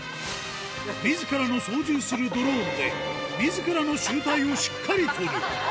みずからの操縦するドローンで、みずからの醜態をしっかり撮る。